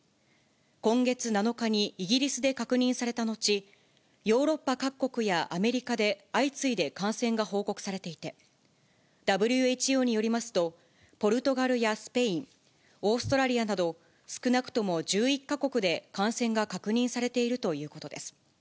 今月７日にイギリスで確認されたのち、ヨーロッパ各国やアメリカで相次いで感染が報告されていて、ＷＨＯによりますと、ポルトガルやスペイン、オーストラリアなど少なくとも１１か国で感染が確認されているということです。